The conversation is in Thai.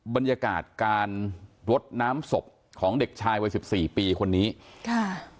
บรรยากาศการรดน้ำศพของเด็กชายวัยสิบสี่ปีคนนี้ค่ะ